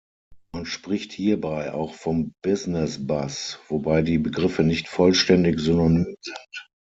Man spricht hierbei auch vom Business Bus, wobei die Begriffe nicht vollständig synonym sind.